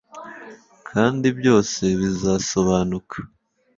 kandi byose bizasobanuka